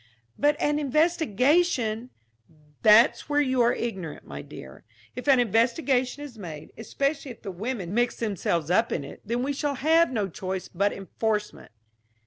"But an investigation " "That's where you are ignorant, my dear. If an investigation is made, especially if the women mix themselves up in it, then we shall have no choice but enforcement."